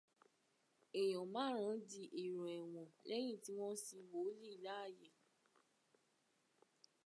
Èèyàn márùn-ún di èrò ẹ̀wọ̀n lẹ́yìn tí wọ́n sin wòlíì láàyè.